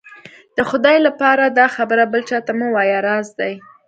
د خدای لهپاره دا خبره بل چا ته مه وايه، راز دی.